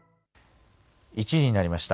１時になりました。